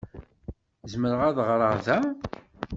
Zemreɣ ad ɣreɣ da?